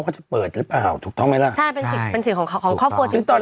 เขาจะเปิดหรือเปล่าถูกต้องไหมล่ะใช่เป็นสิทธิเป็นสิทธิ์ของครอบครัวซึ่งตน